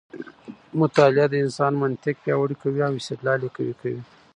مطالعه د انسان منطق پیاوړی کوي او استدلال یې قوي کوي.